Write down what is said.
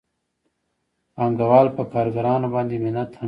پانګوال په کارګرانو باندې منت هم کوي